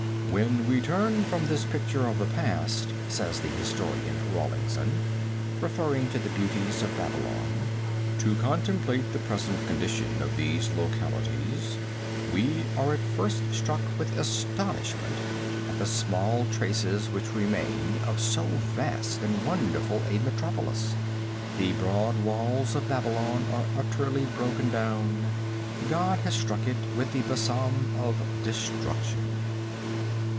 "When we turn from this picture of the past," says the historian, Rawlinson, referring to the beauties of Babylon, "to contemplate the present condition of these localities, we are at first struck with astonishment at the small traces which remain of so vast and wonderful a metropolis. The broad walls of Babylon are utterly broken down. God has swept it with the besom of destruction."